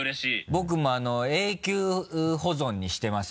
僕も永久保存にしてます